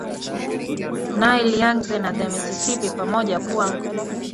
Nile Yangtze na the Mississippi pamoja Kuwa